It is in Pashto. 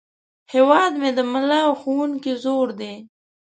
هیواد مې د ملا او ښوونکي زور دی